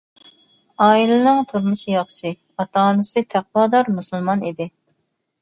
ئائىلىنىڭ تۇرمۇشى ياخشى، ئاتا-ئانىسى تەقۋادار مۇسۇلمان ئىدى.